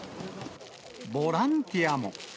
ボランティアも。